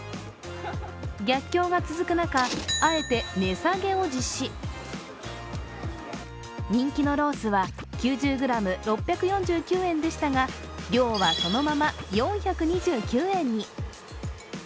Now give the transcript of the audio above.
逆境が続く中、あえて値下げを実施人気のロースは９０ｇ６４９円でしたが量はそのまま、４２９円に。